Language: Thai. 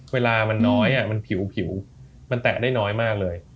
เวลามันน้อยมันผิวมันแตะได้น้อยมากเลย